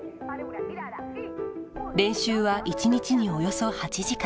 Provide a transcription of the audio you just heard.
練習は一日におよそ８時間。